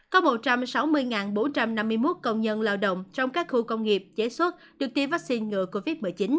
có một trăm sáu mươi bốn trăm năm mươi một công nhân lao động trong các khu công nghiệp chế xuất được tiêm vaccine ngừa covid một mươi chín